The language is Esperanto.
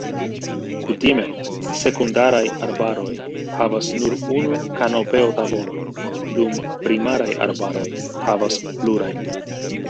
Kutime, sekundaraj arbaroj havas nur unu kanopeo-tavolon, dum primaraj arbaroj havas plurajn.